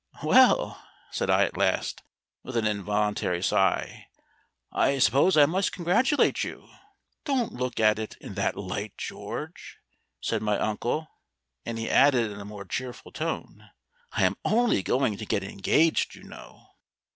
"Well," said I at last, with an involuntary sigh, "I suppose I must congratulate you." "Don't look at it in that light, George," said my uncle; and he added in a more cheerful tone, "I am only going to get engaged, you know."